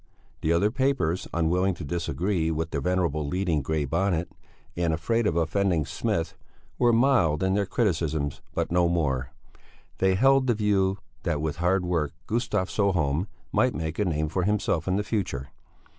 The other papers, unwilling to disagree with the venerable leading Grey Bonnet, and afraid of offending Smith, were mild in their criticisms, but no more. They held the view that with hard work Gustav Sjöholm might make a name for himself in the future.